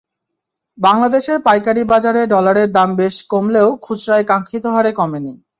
বাংলাদেশের পাইকারি বাজারে ডালের দাম বেশ কমলেও খুচরায় কাঙ্ক্ষিত হারে কমেনি।